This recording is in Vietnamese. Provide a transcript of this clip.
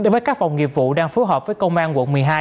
với các phòng nghiệp vụ đang phối hợp với công an quận một mươi hai